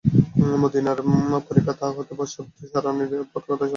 মদীনার পরিখা এবং তা হতে পশ্চাদপসারণের কথা স্মরণ হয়।